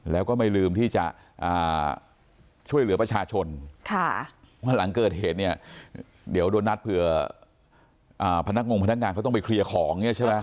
แล้วก็ไม่ลืมที่จะช่วยเหลือประชาชนว่าหลังเกิดเหตุเนี่ยเดี๋ยวโดนนัดเผื่อพนักงงพนักงานเขาต้องไปเคลียร์ของเนี่ยใช่ไหม